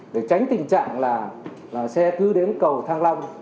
để tránh tình trạng là xe cứ đến cầu thang long